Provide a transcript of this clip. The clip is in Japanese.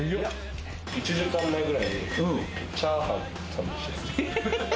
１時間前ぐらいにチャーハン食べてきて。